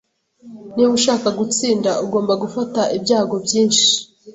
Niba ushaka gutsinda, ugomba gufata ibyago byinshi.